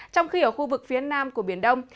trong khi ở khu vực phía nam của biển đông